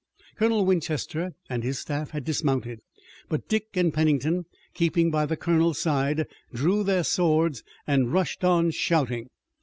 Colonel Winchester and his staff had dismounted, but Dick and Pennington, keeping by the colonel's side, drew their swords and rushed on shouting.